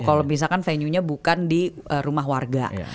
kalau misalkan venue nya bukan di rumah warga